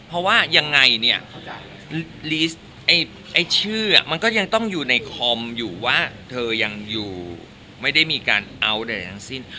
เพราะว่ายังไงเนี่ยลีสไอ้ชื่อมันก็ยังต้องอยู่ในคอมอยู่ว่าเธอยังอยู่ไม่ได้มีการเอาท์ใดทั้งสิ้น